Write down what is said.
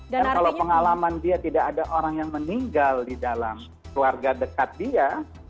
dan kalau pengalaman dia tidak ada orang yang meninggal di dalam keluarga dekat dia